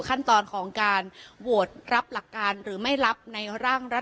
ขั้นตอนของการโหวตรับหลักการหรือไม่รับในร่างรัฐ